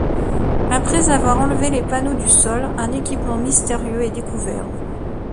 Après avoir enlevé les panneaux du sol, un équipement mystérieux est découvert.